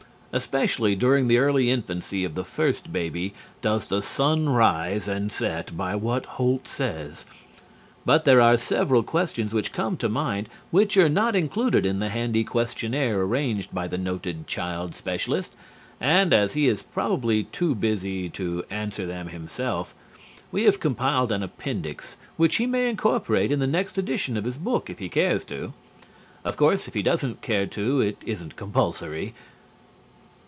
Especially during the early infancy of the first baby does the son rise and set by what "Holt says." But there are several questions which come to mind which are not included in the handy questionnaire arranged by the noted child specialist, and as he is probably too busy to answer them himself, we have compiled an appendix which he may incorporate in the next edition of his book, if he cares to. Of course, if he doesn't care to it isn't compulsory.